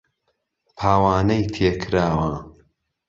پاوانەی تێ کراوە